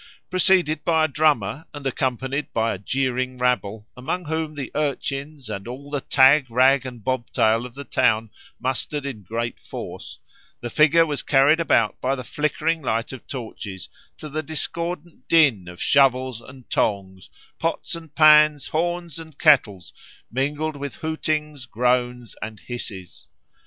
Preceded by a drummer and accompanied by a jeering rabble, among whom the urchins and all the tag rag and bobtail of the town mustered in great force, the figure was carried about by the flickering light of torches to the discordant din of shovels and tongs, pots and pans, horns and kettles, mingled with hootings, groans, and hisses.